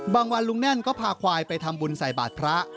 วันลุงแน่นก็พาควายไปทำบุญใส่บาทพระ